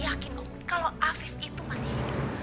aku yakin om kalau afif itu masih hidup